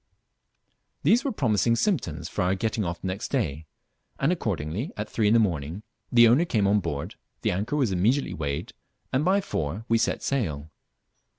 These were promising symptoms for our getting off the next day; and accordingly, at three in the morning, the owner came on board, the anchor was immediately weighed, and by four we set sail.